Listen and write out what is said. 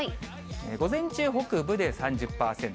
午前中北部で３０％。